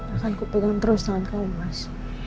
akan ku pegang terus tangan kamu mas